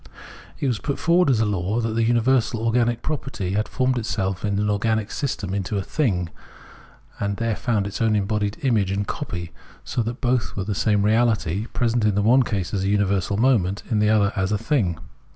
It was put forward as a law, that the universal organic property had formed itself in an organic system into a thing and there found its own embodied image and copy, so that both were the same reahty, present, in the one case, as universal moment, in the other, as thing.